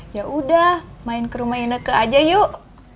yaudah main ke rumah indeka aja yuk